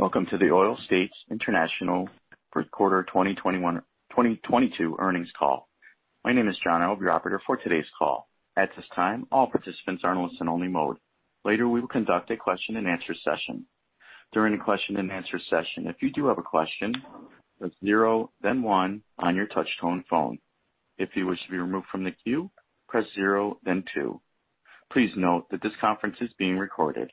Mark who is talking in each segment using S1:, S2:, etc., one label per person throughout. S1: Welcome to the Oil States International third quarter 2022 earnings call. My name is John. I will be your operator for today's call. At this time, all participants are in listen-only mode. Later, we will conduct a question-and-answer session. During the question-and-answer session, if you do have a question, press zero then one on your touch tone phone. If you wish to be removed from the queue, press zero then two. Please note that this conference is being recorded.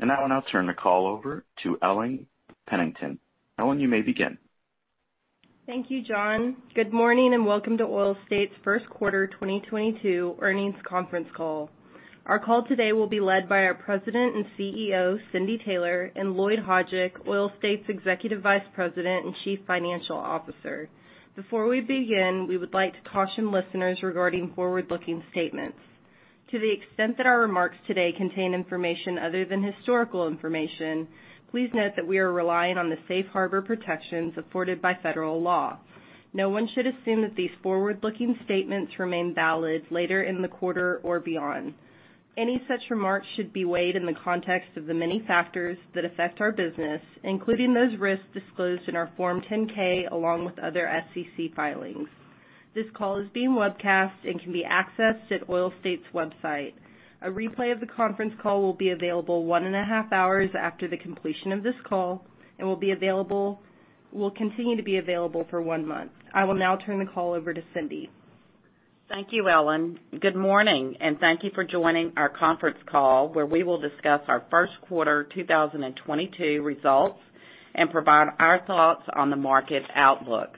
S1: Now I'll turn the call over to Ellen Pennington. Ellen, you may begin.
S2: Thank you, John. Good morning, and welcome to Oil States first quarter 2022 earnings conference call. Our call today will be led by our President and CEO, Cindy Taylor, and Lloyd Hajdik, Oil States Executive Vice President and Chief Financial Officer. Before we begin, we would like to caution listeners regarding forward-looking statements. To the extent that our remarks today contain information other than historical information, please note that we are relying on the safe harbor protections afforded by federal law. No one should assume that these forward-looking statements remain valid later in the quarter or beyond. Any such remarks should be weighed in the context of the many factors that affect our business, including those risks disclosed in our Form 10-K, along with other SEC filings. This call is being webcast and can be accessed at Oil States' website. A replay of the conference call will be available one and a half hours after the completion of this call and will continue to be available for one month. I will now turn the call over to Cindy.
S3: Thank you, Ellen. Good morning, and thank you for joining our conference call, where we will discuss our first quarter 2022 results and provide our thoughts on the market outlook.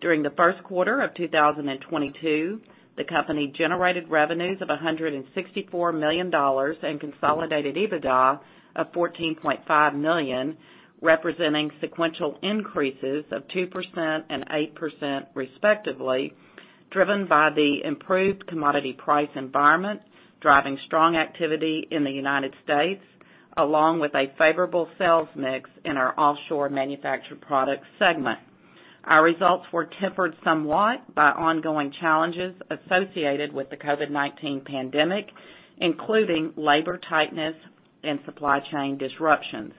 S3: During the first quarter of 2022, the company generated revenues of $164 million and consolidated EBITDA of $14.5 million, representing sequential increases of 2% and 8% respectively, driven by the improved commodity price environment, driving strong activity in the United States, along with a favorable sales mix in our Offshore Manufactured Products segment. Our results were tempered somewhat by ongoing challenges associated with the COVID-19 pandemic, including labor tightness and supply chain disruptions.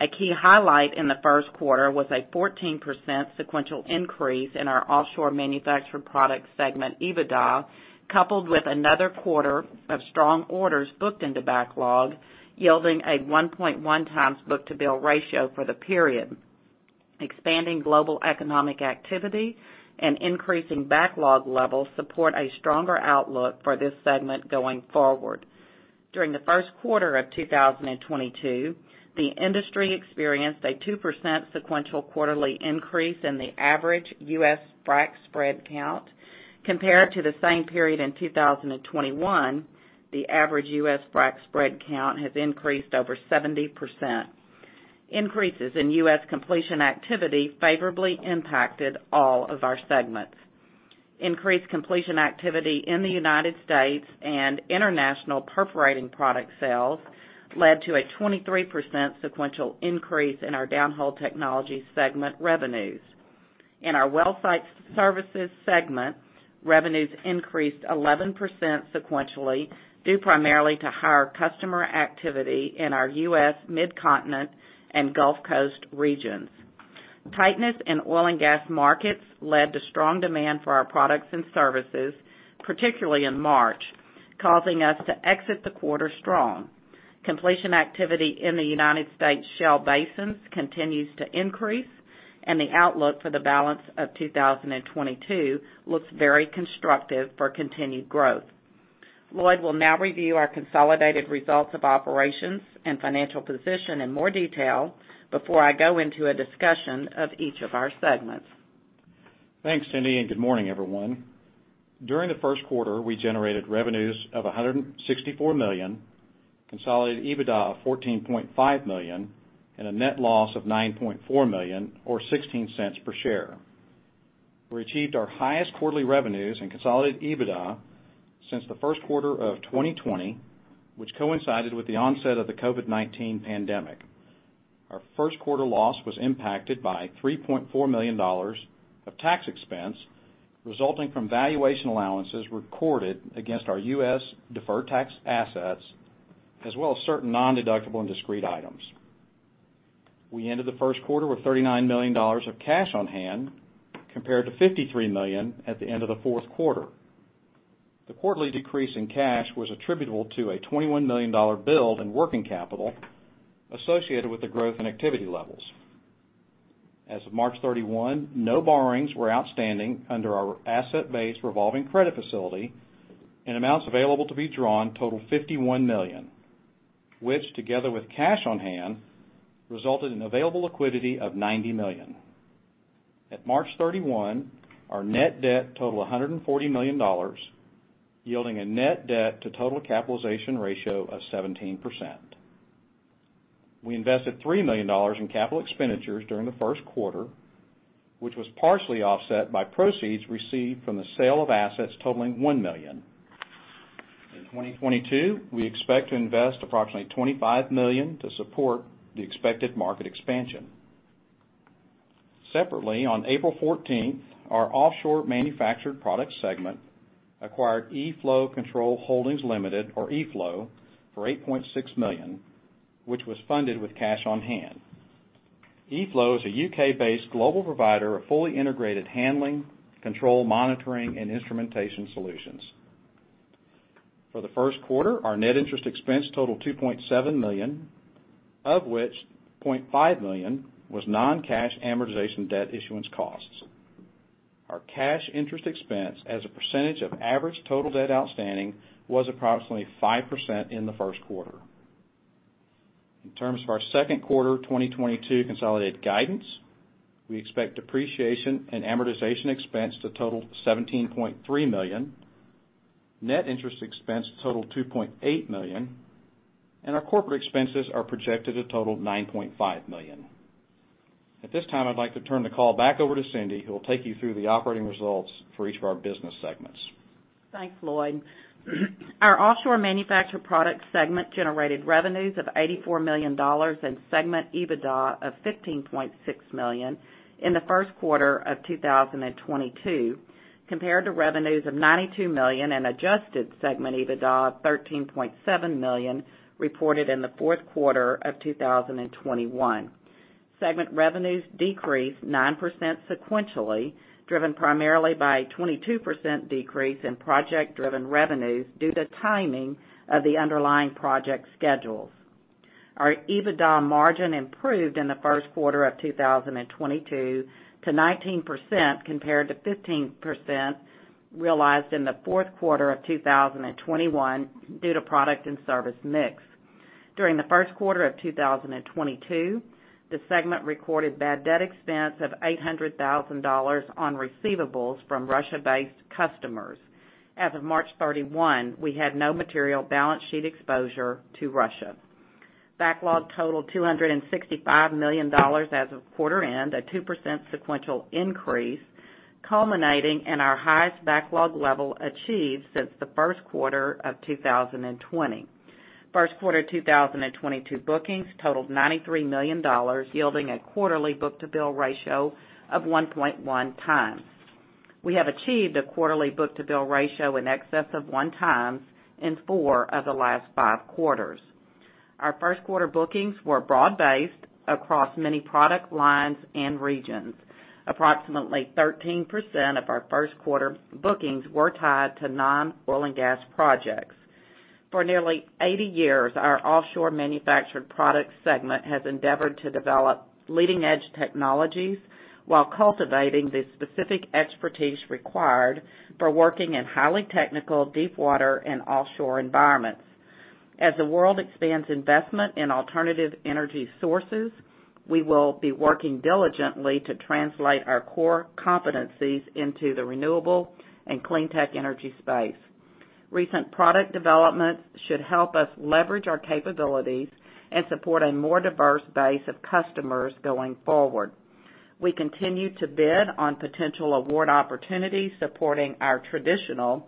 S3: A key highlight in the first quarter was a 14% sequential increase in our Offshore/Manufactured Products segment EBITDA, coupled with another quarter of strong orders booked into backlog, yielding a 1.1x book-to-bill ratio for the period. Expanding global economic activity and increasing backlog levels support a stronger outlook for this segment going forward. During the first quarter of 2022, the industry experienced a 2% sequential quarterly increase in the average U.S. frac spread count. Compared to the same period in 2021, the average U.S. frac spread count has increased over 70%. Increases in U.S. completion activity favorably impacted all of our segments. Increased completion activity in the United States and international perforating products sales led to a 23% sequential increase in our Downhole Technologies segment revenues. In our Well Site Services segment, revenues increased 11% sequentially, due primarily to higher customer activity in our U.S. Mid-Continent and Gulf Coast regions. Tightness in oil and gas markets led to strong demand for our products and services, particularly in March, causing us to exit the quarter strong. Completion activity in the United States shale basins continues to increase, and the outlook for the balance of 2022 looks very constructive for continued growth. Lloyd will now review our consolidated results of operations and financial position in more detail before I go into a discussion of each of our segments.
S4: Thanks, Cindy, and good morning, everyone. During the first quarter, we generated revenues of $164 million, consolidated EBITDA of $14.5 million, and a net loss of $9.4 million or $0.16 per share. We achieved our highest quarterly revenues and consolidated EBITDA since the first quarter of 2020, which coincided with the onset of the COVID-19 pandemic. Our first quarter loss was impacted by $3.4 million of tax expense resulting from valuation allowances recorded against our U.S. deferred tax assets, as well as certain nondeductible and discrete items. We ended the first quarter with $39 million of cash on hand compared to $53 million at the end of the fourth quarter. The quarterly decrease in cash was attributable to a $21 million build in working capital associated with the growth in activity levels. As of March 31, no borrowings were outstanding under our asset-based revolving credit facility, and amounts available to be drawn total $51 million, which together with cash on hand, resulted in available liquidity of $90 million. At March 31, our net debt totaled $140 million, yielding a net debt to total capitalization ratio of 17%. We invested $3 million in capital expenditures during the first quarter, which was partially offset by proceeds received from the sale of assets totaling $1 million. In 2022, we expect to invest approximately $25 million to support the expected market expansion. Separately, on April 14, our Offshore Manufactured Products segment acquired E-Flow Control Holdings Limited, or E-Flow, for $8.6 million, which was funded with cash on hand. E-Flow is a UK-based global provider of fully integrated handling, control, monitoring, and instrumentation solutions. For the first quarter, our net interest expense totaled $2.7 million, of which $0.5 million was non-cash amortization debt issuance costs. Our cash interest expense as a percentage of average total debt outstanding was approximately 5% in the first quarter. In terms of our second quarter 2022 consolidated guidance, we expect depreciation and amortization expense to total $17.3 million, net interest expense to total $2.8 million, and our corporate expenses are projected to total $9.5 million. At this time, I'd like to turn the call back over to Cindy, who will take you through the operating results for each of our business segments.
S3: Thanks, Lloyd. Our Offshore Manufactured Products segment generated revenues of $84 million and segment EBITDA of $15.6 million in the first quarter of 2022, compared to revenues of $92 million and adjusted segment EBITDA of $13.7 million reported in the fourth quarter of 2021. Segment revenues decreased 9% sequentially, driven primarily by a 22% decrease in project-driven revenues due to timing of the underlying project schedules. Our EBITDA margin improved in the first quarter of 2022 to 19% compared to 15% realized in the fourth quarter of 2021 due to product and service mix. During the first quarter of 2022, the segment recorded bad debt expense of $800,000 on receivables from Russia-based customers. As of March 31, we had no material balance sheet exposure to Russia. Backlog totaled $265 million as of quarter end, a 2% sequential increase, culminating in our highest backlog level achieved since the first quarter of 2020. First quarter 2022 bookings totaled $93 million, yielding a quarterly book-to-bill ratio of 1.1x. We have achieved a quarterly book-to-bill ratio in excess of 1x in 4 of the last 5 quarters. Our first quarter bookings were broad-based across many product lines and regions. Approximately 13% of our first quarter bookings were tied to non-oil and gas projects. For nearly 80 years, our Offshore Manufactured Products segment has endeavored to develop leading-edge technologies while cultivating the specific expertise required for working in highly technical deepwater and offshore environments. As the world expands investment in alternative energy sources, we will be working diligently to translate our core competencies into the renewable and clean tech energy space. Recent product developments should help us leverage our capabilities and support a more diverse base of customers going forward. We continue to bid on potential award opportunities supporting our traditional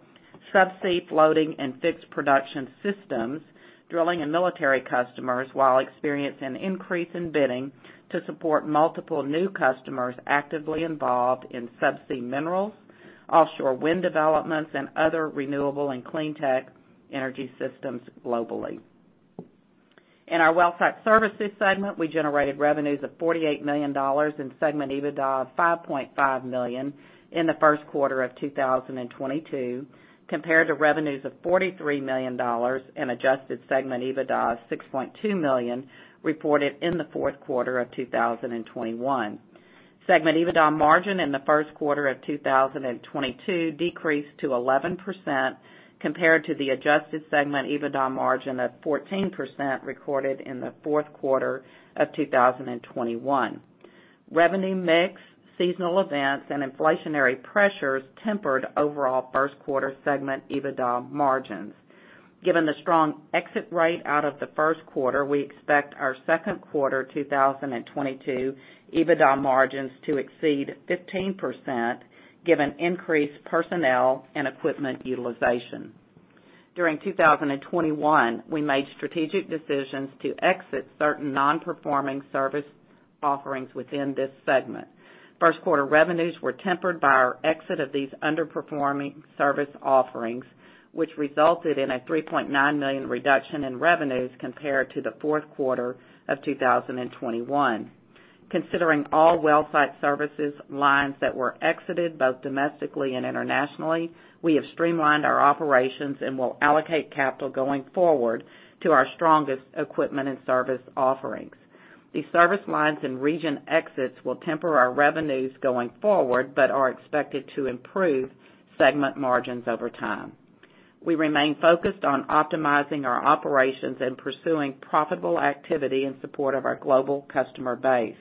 S3: subsea floating and fixed production systems, drilling and military customers, while experiencing an increase in bidding to support multiple new customers actively involved in subsea minerals, offshore wind developments, and other renewable and clean tech energy systems globally. In our Well Site Services segment, we generated revenues of $48 million and segment EBITDA of $5.5 million in the first quarter of 2022 compared to revenues of $43 million and adjusted segment EBITDA of $6.2 million reported in the fourth quarter of 2021. Segment EBITDA margin in the first quarter of 2022 decreased to 11% compared to the adjusted segment EBITDA margin of 14% recorded in the fourth quarter of 2021. Revenue mix, seasonal events, and inflationary pressures tempered overall first quarter segment EBITDA margins. Given the strong exit rate out of the first quarter, we expect our second quarter 2022 EBITDA margins to exceed 15% given increased personnel and equipment utilization. During 2021, we made strategic decisions to exit certain non-performing service offerings within this segment. First quarter revenues were tempered by our exit of these underperforming service offerings, which resulted in a $3.9 million reduction in revenues compared to the fourth quarter of 2021. Considering all Well Site Services lines that were exited, both domestically and internationally, we have streamlined our operations and will allocate capital going forward to our strongest equipment and service offerings. These service lines and region exits will temper our revenues going forward, but are expected to improve segment margins over time. We remain focused on optimizing our operations and pursuing profitable activity in support of our global customer base.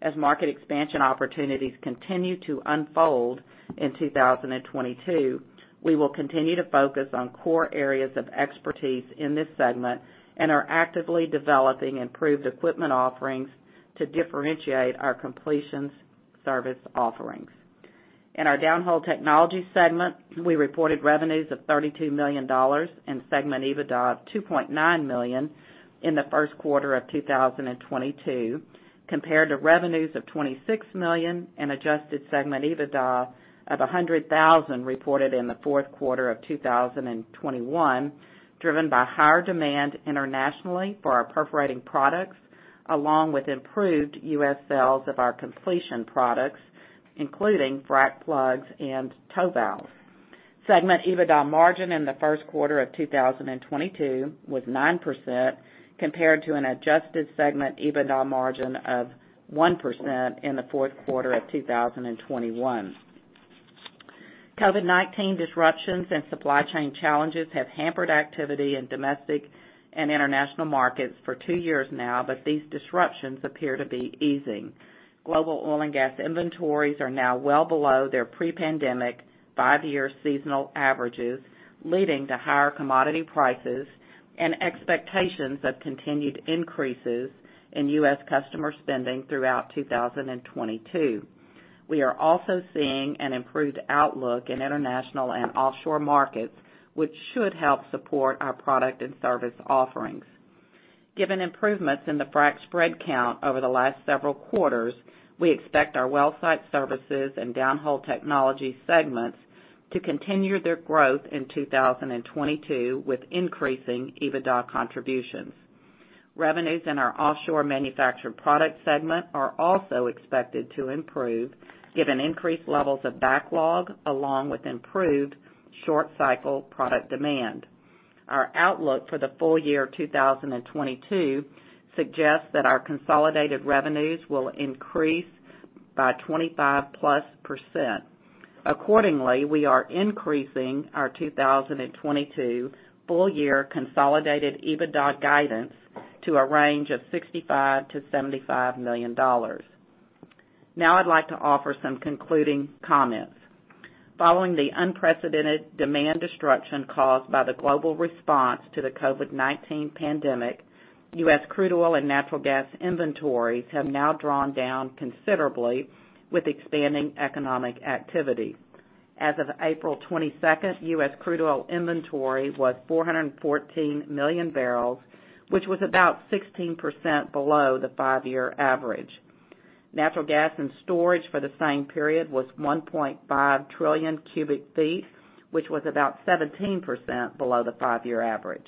S3: As market expansion opportunities continue to unfold in 2022, we will continue to focus on core areas of expertise in this segment and are actively developing improved equipment offerings to differentiate our completions service offerings. In our Downhole Technologies segment, we reported revenues of $32 million and segment EBITDA of $2.9 million in the first quarter of 2022, compared to revenues of $26 million and adjusted segment EBITDA of $100,000 reported in the fourth quarter of 2021, driven by higher demand internationally for our perforating products, along with improved U.S. sales of our completion products, including frac plugs and toe valves. Segment EBITDA margin in the first quarter of 2022 was 9% compared to an adjusted segment EBITDA margin of 1% in the fourth quarter of 2021. COVID-19 disruptions and supply chain challenges have hampered activity in domestic and international markets for two years now, but these disruptions appear to be easing. Global oil and gas inventories are now well below their pre-pandemic five-year seasonal averages, leading to higher commodity prices and expectations of continued increases in U.S. customer spending throughout 2022. We are also seeing an improved outlook in international and offshore markets, which should help support our product and service offerings. Given improvements in the frac spread count over the last several quarters, we expect our Well Site Services and Downhole Technologies segments to continue their growth in 2022 with increasing EBITDA contributions. Revenues in our Offshore/Manufactured Products segment are also expected to improve given increased levels of backlog along with improved short cycle product demand. Our outlook for the full year 2022 suggests that our consolidated revenues will increase by 25%+. Accordingly, we are increasing our 2022 full year consolidated EBITDA guidance to a range of $65 million-$75 million. Now I'd like to offer some concluding comments. Following the unprecedented demand destruction caused by the global response to the COVID-19 pandemic, U.S. crude oil and natural gas inventories have now drawn down considerably with expanding economic activity. As of April 22, U.S. crude oil inventory was 414 million barrels, which was about 16% below the five-year average. Natural gas in storage for the same period was 1.5 trillion cubic feet, which was about 17% below the five-year average.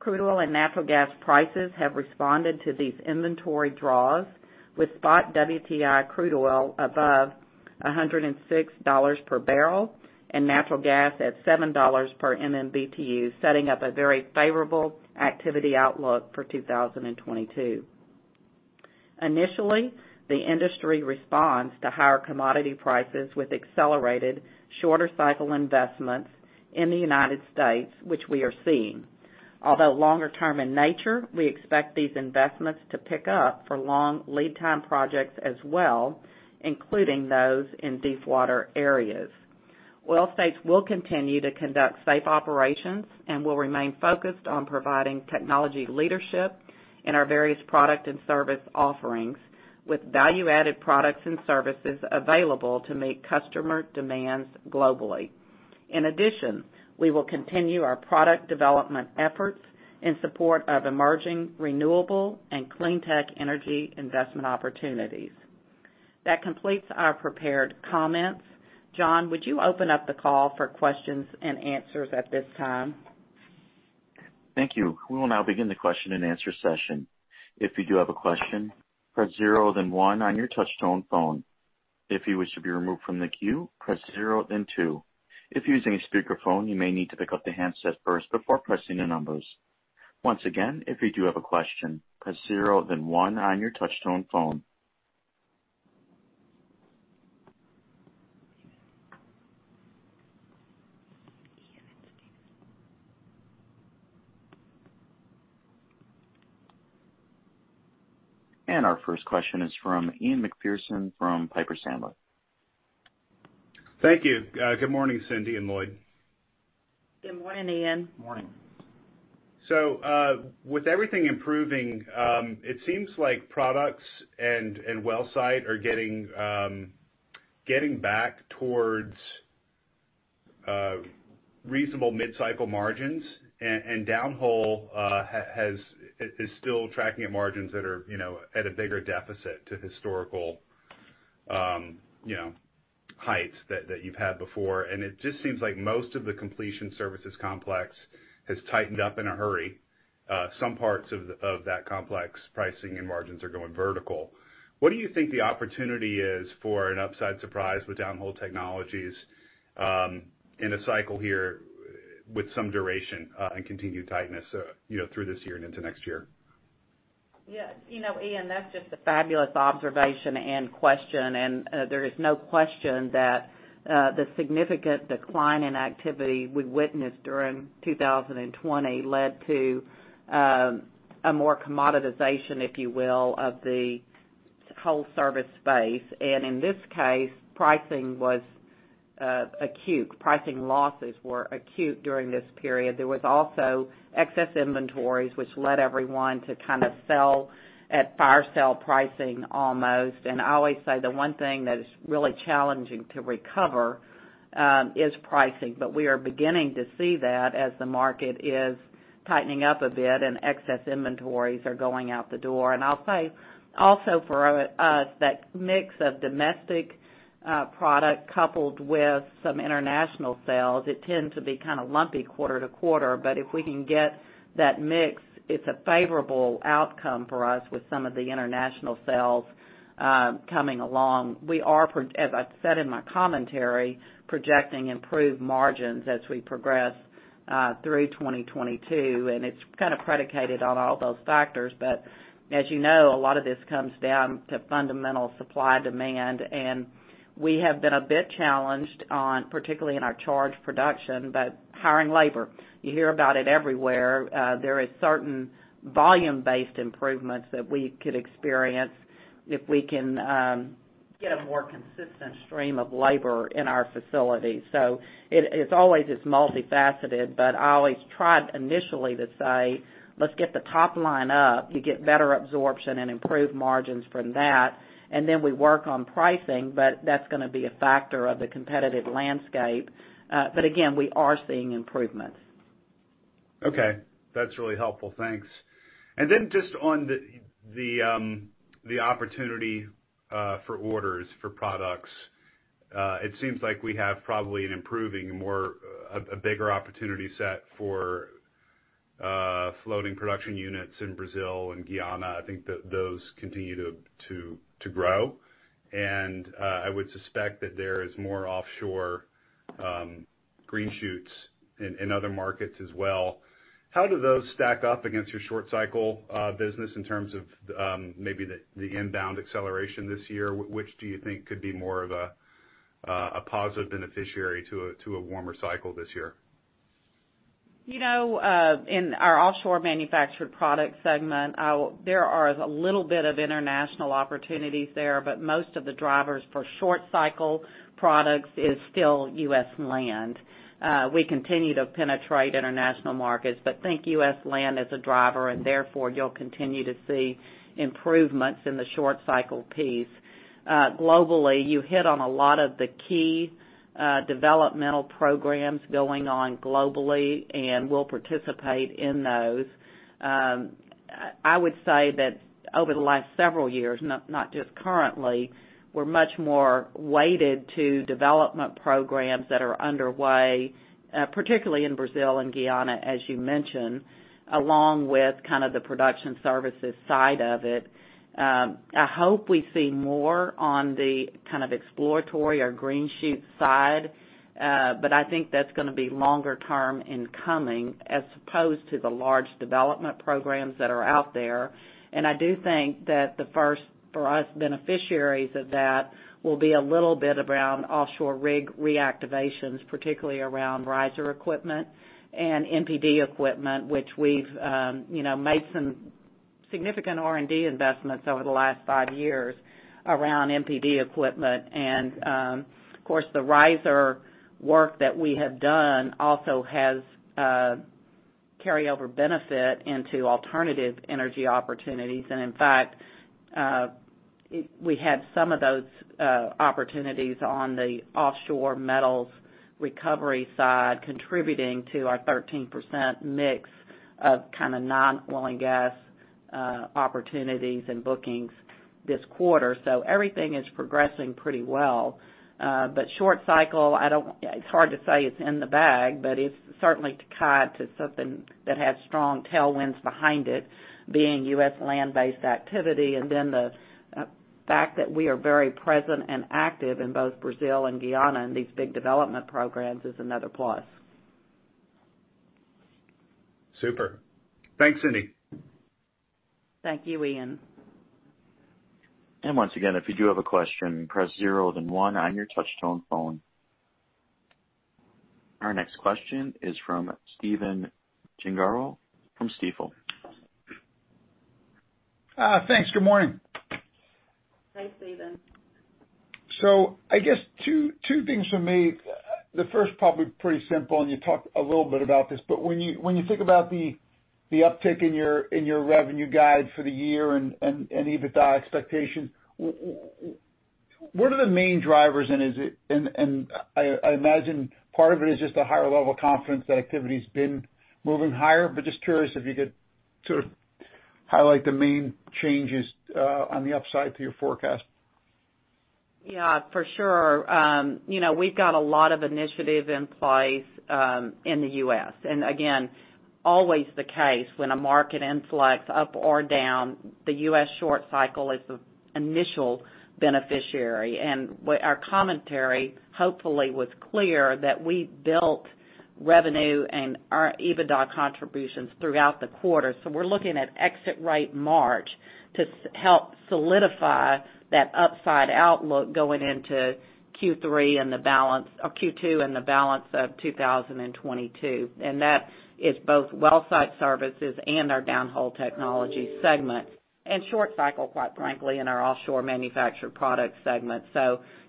S3: Crude oil and natural gas prices have responded to these inventory draws with spot WTI crude oil above $106 per barrel and natural gas at $7 per MMBtu, setting up a very favorable activity outlook for 2022. Initially, the industry responds to higher commodity prices with accelerated shorter cycle investments in the United States, which we are seeing. Although longer term in nature, we expect these investments to pick up for long lead time projects as well, including those in deepwater areas. Well Site will continue to conduct safe operations and will remain focused on providing technology leadership in our various product and service offerings, with value-added products and services available to meet customer demands globally. In addition, we will continue our product development efforts in support of emerging renewable and clean tech energy investment opportunities. That completes our prepared comments. John, would you open up the call for questions and answers at this time?
S1: Thank you. We will now begin the question-and-answer session. If you do have a question, press zero then one on your touchtone phone. If you wish to be removed from the queue, press zero then two. If you're using a speakerphone, you may need to pick up the handset first before pressing the numbers. Once again, if you do have a question, press zero then one on your touchtone phone. Our first question is from Ian MacPherson from Piper Sandler.
S5: Thank you. Good morning, Cindy and Lloyd.
S3: Good morning, Ian.
S4: Morning.
S5: With everything improving, it seems like products and well site are getting back towards reasonable mid-cycle margins and downhole is still tracking at margins that are, you know, at a bigger deficit to historical, you know, heights that you've had before. It just seems like most of the completion services complex has tightened up in a hurry. Some parts of that complex pricing and margins are going vertical. What do you think the opportunity is for an upside surprise with downhole technologies in a cycle here with some duration and continued tightness, you know, through this year and into next year?
S3: Yeah. You know, Ian, that's just a fabulous observation and question. There is no question that the significant decline in activity we witnessed during 2020 led to a more commoditization, if you will, of the whole service space. In this case, acute pricing losses were acute during this period. There was also excess inventories, which led everyone to kind of sell at fire sale pricing almost. I always say the one thing that is really challenging to recover is pricing. We are beginning to see that as the market is tightening up a bit and excess inventories are going out the door. I'll say also for us, that mix of domestic product coupled with some international sales, it tends to be kind of lumpy quarter to quarter. If we can get that mix, it's a favorable outcome for us with some of the international sales coming along. We are, as I said in my commentary, projecting improved margins as we progress through 2022, and it's kind of predicated on all those factors. As you know, a lot of this comes down to fundamental supply and demand, and we have been a bit challenged on, particularly in our completion and production. Hiring labor, you hear about it everywhere. There is certain volume-based improvements that we could experience if we can get a more consistent stream of labor in our facilities. It's always multifaceted, but I always tried initially to say, let's get the top line up. You get better absorption and improved margins from that, and then we work on pricing. That's gonna be a factor of the competitive landscape. Again, we are seeing improvements.
S5: Okay, that's really helpful. Thanks. Just on the opportunity for orders for products, it seems like we have probably an improving, a bigger opportunity set for floating production units in Brazil and Guyana. I think those continue to grow. I would suspect that there is more offshore green shoots in other markets as well. How do those stack up against your short cycle business in terms of maybe the inbound acceleration this year? Which do you think could be more of a positive beneficiary to a warmer cycle this year?
S3: You know, in our Offshore Manufactured Products segment, there are a little bit of international opportunities there, but most of the drivers for short cycle products is still U.S. land. We continue to penetrate international markets, but think U.S. land as a driver, and therefore you'll continue to see improvements in the short cycle piece. Globally, you hit on a lot of the key developmental programs going on globally, and we'll participate in those. I would say that over the last several years, not just currently, we're much more weighted to development programs that are underway, particularly in Brazil and Guyana, as you mentioned, along with kind of the production services side of it. I hope we see more on the kind of exploratory or green shoots side. I think that's gonna be longer term in coming as opposed to the large development programs that are out there. I do think that the first for us beneficiaries of that will be a little bit around offshore rig reactivations, particularly around riser equipment and MPD equipment, which we've, you know, made some significant R&D investments over the last five years around MPD equipment. Of course, the riser work that we have done also has carryover benefit into alternative energy opportunities. In fact, we had some of those opportunities on the offshore metals recovery side contributing to our 13% mix of kind of non-oil and gas opportunities and bookings this quarter. Everything is progressing pretty well. Short cycle, it's hard to say it's in the bag, but it's certainly tied to something that has strong tailwinds behind it being U.S. land-based activity. Then the fact that we are very present and active in both Brazil and Guyana in these big development programs is another plus.
S5: Super. Thanks, Cindy.
S3: Thank you, Ian.
S1: Once again, if you do have a question, press zero, then one on your touch tone phone. Our next question is from Stephen Gengaro from Stifel.
S6: Thanks. Good morning.
S3: Hi, Steven.
S6: I guess two things for me. The first probably pretty simple, and you talked a little bit about this, but when you think about the uptick in your revenue guidance for the year and EBITDA expectations, what are the main drivers? I imagine part of it is just a higher level of confidence that activity's been moving higher. Just curious if you could sort of highlight the main changes on the upside to your forecast.
S3: Yeah, for sure. You know, we've got a lot of initiatives in place in the U.S. Again, always the case when a market inflects up or down, the U.S. short cycle is the initial beneficiary. Our commentary hopefully was clear that we built revenue and our EBITDA contributions throughout the quarter. We're looking at exit rate March to help solidify that upside outlook going into Q2 and the balance of 2022. That is both Well Site Services and our Downhole Technologies segment, and short cycle, quite frankly, in our Offshore/Manufactured Products segment.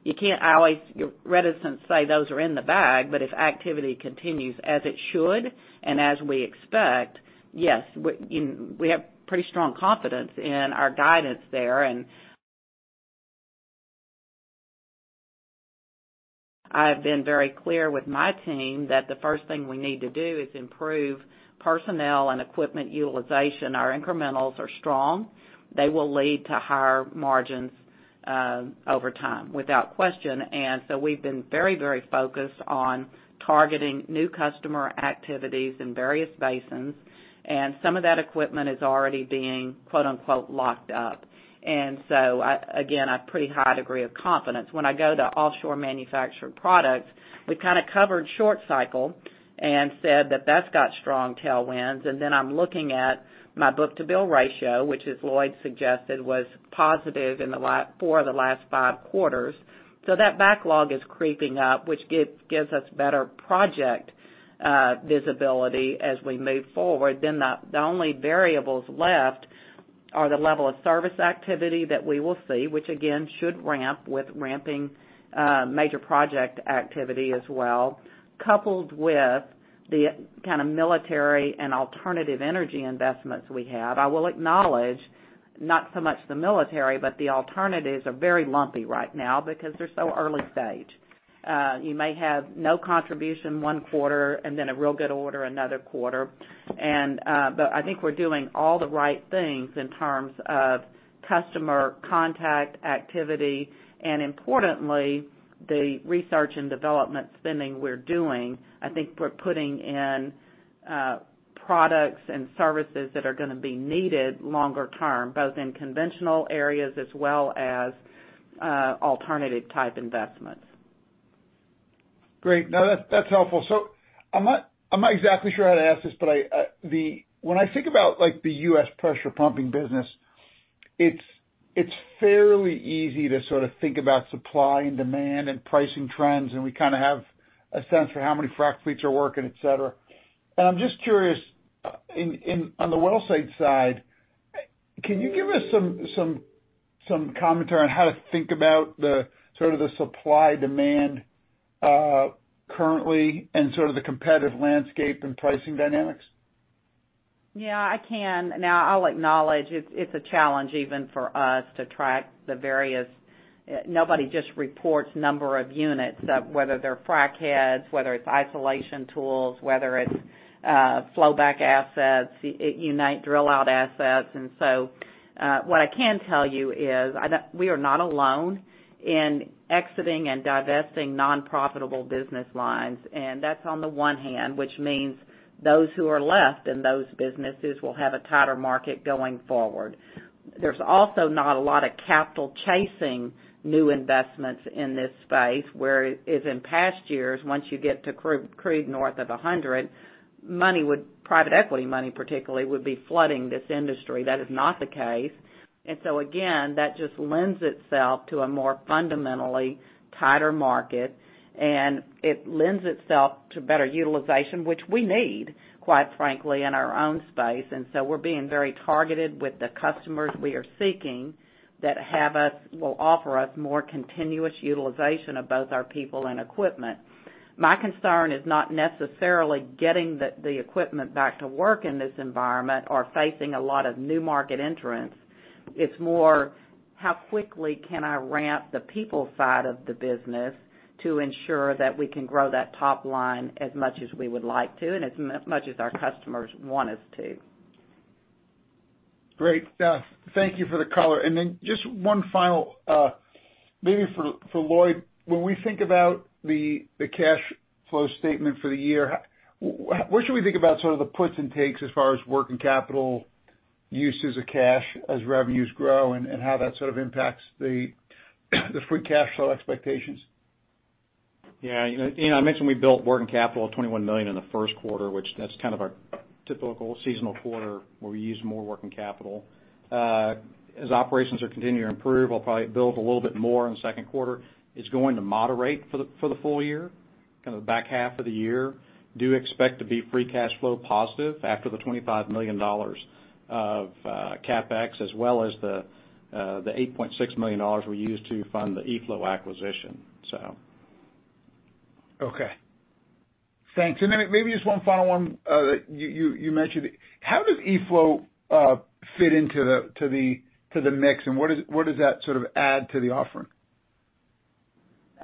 S3: You can't always be reticent to say those are in the bag, but if activity continues as it should and as we expect, yes, we have pretty strong confidence in our guidance there. I have been very clear with my team that the first thing we need to do is improve personnel and equipment utilization. Our incrementals are strong. They will lead to higher margins, over time, without question. We've been very, very focused on targeting new customer activities in various basins, and some of that equipment is already being, quote-unquote, "locked up." Again, a pretty high degree of confidence. When I go to Offshore/Manufactured Products, we kind of covered short cycle and said that that's got strong tailwinds. I'm looking at my book-to-bill ratio, which as Lloyd suggested, was positive in the last four of the last five quarters. That backlog is creeping up, which gives us better project visibility as we move forward. The only variables left are the level of service activity that we will see, which again should ramp with ramping major project activity as well, coupled with the kind of military and alternative energy investments we have. I will acknowledge not so much the military, but the alternatives are very lumpy right now because they're so early stage. You may have no contribution one quarter and then a real good order another quarter. I think we're doing all the right things in terms of customer contact, activity, and importantly, the research and development spending we're doing. I think we're putting in products and services that are gonna be needed longer term, both in conventional areas as well as alternative type investments.
S6: Great. No, that's helpful. So I'm not exactly sure how to ask this, but I when I think about, like, the US pressure pumping business, it's fairly easy to sort of think about supply and demand and pricing trends, and we kind of have a sense for how many frac fleets are working, et cetera. I'm just curious, on the well site side, can you give us some commentary on how to think about the sort of supply-demand currently and sort of the competitive landscape and pricing dynamics?
S3: Yeah, I can. Now, I'll acknowledge it's a challenge even for us to track the various. Nobody just reports number of units, whether they're frac heads, whether it's isolation tools, whether it's flowback assets, unit drill-out assets. What I can tell you is we are not alone in exiting and divesting non-profitable business lines, and that's on the one hand, which means those who are left in those businesses will have a tighter market going forward. There's also not a lot of capital chasing new investments in this space, whereas in past years, once you get to crude north of $100, money would, private equity money particularly, would be flooding this industry. That is not the case. again, that just lends itself to a more fundamentally tighter market, and it lends itself to better utilization, which we need, quite frankly, in our own space. We're being very targeted with the customers we are seeking that will offer us more continuous utilization of both our people and equipment. My concern is not necessarily getting the equipment back to work in this environment or facing a lot of new market entrants. It's more how quickly can I ramp the people side of the business to ensure that we can grow that top line as much as we would like to and as much as our customers want us to.
S6: Great. Yeah. Thank you for the color. Just one final, maybe for Lloyd. When we think about the cash flow statement for the year, what should we think about sort of the puts and takes as far as working capital uses of cash as revenues grow and how that sort of impacts the free cash flow expectations?
S4: Yeah. You know, Ian, I mentioned we built working capital of $21 million in the first quarter, which that's kind of our typical seasonal quarter where we use more working capital. As operations are continuing to improve, we'll probably build a little bit more in the second quarter. It's going to moderate for the full year, kind of the back half of the year. Do expect to be free cash flow positive after the $25 million of CapEx, as well as the $8.6 million we used to fund the E-Flow acquisition.
S6: Okay. Thanks. Maybe just one final one. You mentioned. How does E-Flow fit into the mix, and what does that sort of add to the offering?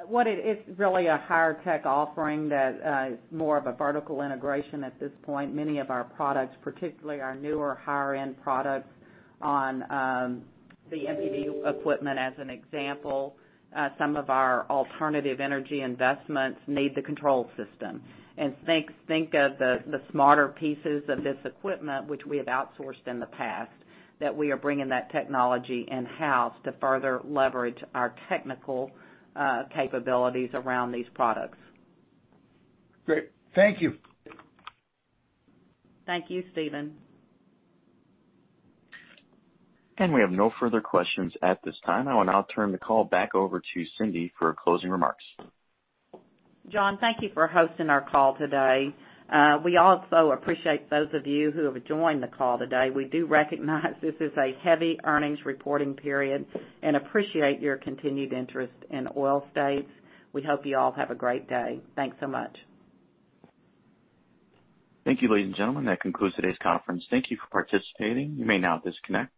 S3: What it is, really a higher tech offering that is more of a vertical integration at this point. Many of our products, particularly our newer higher-end products on the MPD equipment, as an example, some of our alternative energy investments need the control system. Think of the smarter pieces of this equipment which we have outsourced in the past, that we are bringing that technology in-house to further leverage our technical capabilities around these products.
S6: Great. Thank you.
S3: Thank you, Stephen.
S1: We have no further questions at this time. I will now turn the call back over to Cindy for closing remarks.
S3: John, thank you for hosting our call today. We also appreciate those of you who have joined the call today. We do recognize this is a heavy earnings reporting period and appreciate your continued interest in Oil States. We hope you all have a great day. Thanks so much.
S1: Thank you, ladies and gentlemen. That concludes today's conference. Thank you for participating. You may now disconnect.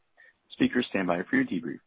S1: Speakers, stand by for your debrief.